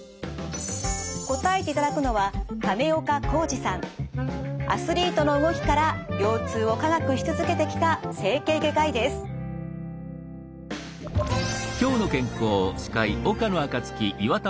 答えていただくのはアスリートの動きから腰痛を科学し続けてきた整形外科医です。